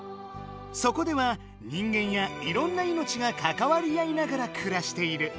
そこでは人間やいろんないのちがかかわり合いながらくらしている。